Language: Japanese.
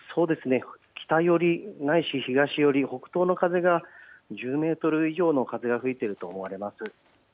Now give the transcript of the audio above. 北寄りないし東寄り北東の風が、１０メートル以上の風が吹いていると思われます。